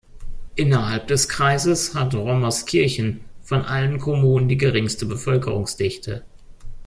Innerhalb des Kreises hat Rommerskirchen von allen Kommunen die geringste Bevölkerungsdichte.